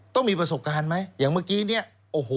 ต้องมีประสบการณ์ไหมอย่างเมื่อกี้เนี่ยโอ้โห